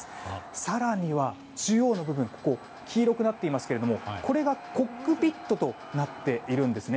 更には中央の部分が黄色くなっていますがこれがコックピットとなっているんですね。